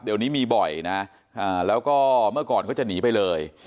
เดี๋ยวนี้มีบ่อยนะแล้วก็เมื่อก่อนเขาจะหนีไปเลย